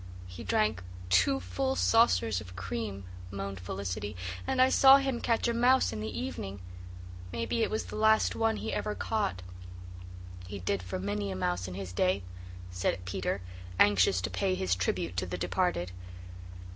"He drank two full saucers of cream," moaned Felicity, "and I saw him catch a mouse in the evening. Maybe it was the last one he ever caught." "He did for many a mouse in his day," said Peter, anxious to pay his tribute to the departed.